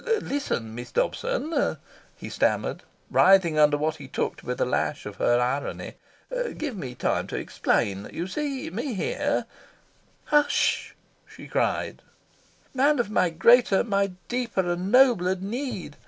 "Listen, Miss Dobson," he stammered, writhing under what he took to be the lash of her irony. "Give me time to explain. You see me here " "Hush," she cried, "man of my greater, my deeper and nobler need!